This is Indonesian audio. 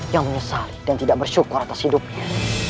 yang menyesali dan tidak bersyukur atas hidupnya